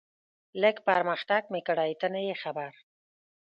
لږ پرمختګ مې کړی، ته نه یې خبر.